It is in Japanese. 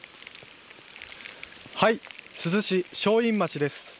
珠洲市正院町です。